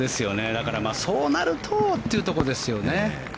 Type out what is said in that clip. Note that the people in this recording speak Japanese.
だから、そうなるとというところですよね。